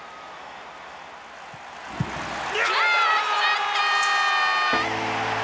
あ決まった！